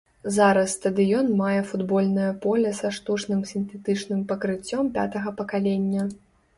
Зараз стадыён мае футбольнае поле са штучным сінтэтычным пакрыццём пятага пакалення.